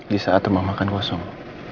di saat rumah makan kosong